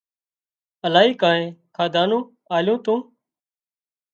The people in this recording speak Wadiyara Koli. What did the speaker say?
الاهي ڪانئين کاڌا نُون لايُون تُون